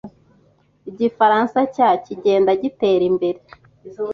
Igifaransa cya kigenda gitera imbere.